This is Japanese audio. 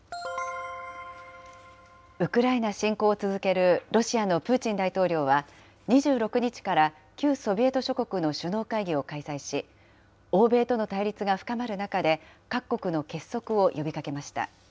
ウクライナ侵攻を続けるロシアのプーチン大統領は、２６日から旧ソビエト諸国の首脳会議を開催し、欧米との対立が深まる中で、各国の結束を呼びかけました。